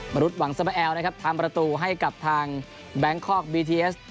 มนุษย์หวังสมแอลนะครับทำประตูให้กับทางแบงคอกบีทีเอส